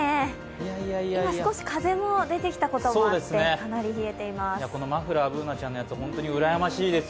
今、少し、風も出てきたこともあってかなり冷えています。